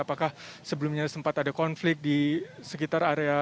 apakah sebelumnya sempat ada konflik di sekitar area